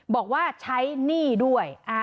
บอกว่าใช้หนี้ด้วย